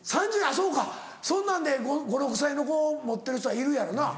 そうかそんなんで５６歳の子持ってる人はいるやろな。